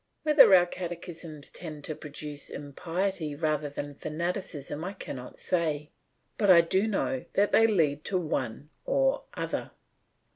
Whether our catechisms tend to produce impiety rather than fanaticism I cannot say, but I do know that they lead to one or other.